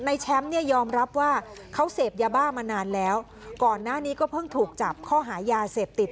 แชมป์เนี่ยยอมรับว่าเขาเสพยาบ้ามานานแล้วก่อนหน้านี้ก็เพิ่งถูกจับข้อหายาเสพติด